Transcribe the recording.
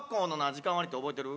時間割って覚えてる？